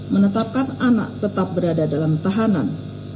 menetapkan anak tetap berada dalam tahanan